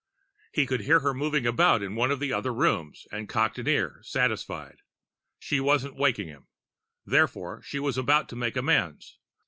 He could hear her moving about in one of the other rooms and cocked an ear, satisfied. She hadn't waked him. Therefore she was about to make amends.